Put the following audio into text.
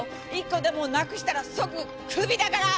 １個でもなくしたら即クビだから！